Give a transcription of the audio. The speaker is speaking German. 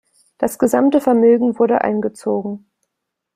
Das gesamte Vermögen wurde eingezogen.